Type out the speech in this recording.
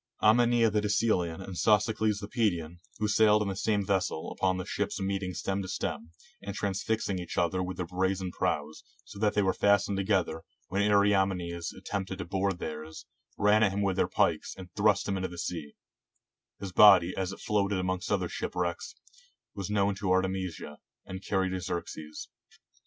Aminias the De celean and Sosicles the Pedian, who sailed in the same vessel, upon the ships meeting stem to stem, and trans fixing each the other with their brazen prows, so that they were fastened together, when Ariamenes attempted to board theirs, ran at him with their pikes, and thrust him into the sea; his body, as it floated amongst other shipwrecks, was known to Artemisia, and carried to Xerxes.